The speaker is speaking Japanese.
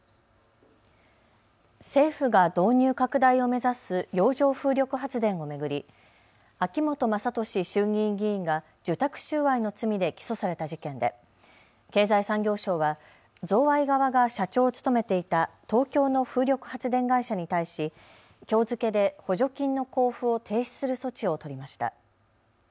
政府が導入拡大を目指す洋上風力発電を巡り秋本真利衆議院議員が受託収賄の罪で起訴された事件で経済産業省は贈賄側が社長を務めていた東京の風力発電会社に対しきょう付けで補助金の交付を停止する措置を取りました。